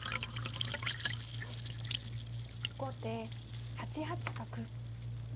後手８八角。